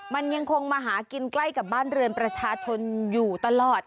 มันยังคงมาหากินใกล้กับบ้านเรือนประชาชนอยู่ตลอด